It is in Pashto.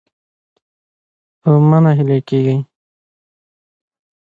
او مه ناهيلي کېږئ